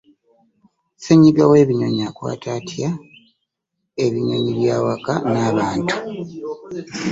Ssenyiga w’Ebinyonyi akwata atya ebinyonyi by’awaka n’abantu.